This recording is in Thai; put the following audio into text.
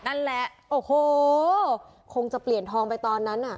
นั่นแหละโอ้โหคงจะเปลี่ยนทองไปตอนนั้นน่ะ